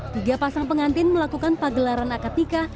tiga pasang pengantin melakukan pagelaran akad nikah